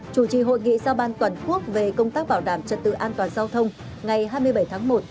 chủ trì hội nghị giao ban toàn quốc về công tác bảo đảm trật tự an toàn giao thông ngày hai mươi bảy tháng một